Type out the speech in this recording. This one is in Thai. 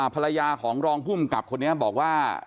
ภรรยาของรองภูมิกับคนนี้บอกว่า